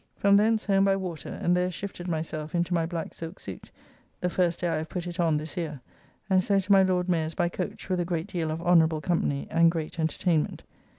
From thence home by water, and there shifted myself into my black silk suit (the first day I have put it on this year), and so to my Lord Mayor's by coach, with a great deal of honourable company, and great entertainment.